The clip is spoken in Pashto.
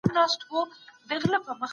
د نورو په درد دردمن سئ.